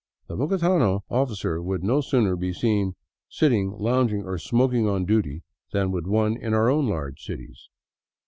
The bogotano officer would no sooner be seen sitting, lounging, or smoking on duty than would one in our own large cities.